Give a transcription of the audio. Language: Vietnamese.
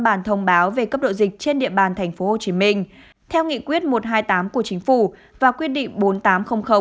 bản thông báo về cấp độ dịch trên địa bàn tp hcm theo nghị quyết một trăm hai mươi tám của chính phủ và quyết định